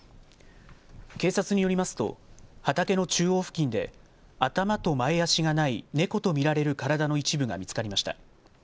警察によりますと畑の中央付近で頭と前足がない猫と見られる体の一部が見つかりました。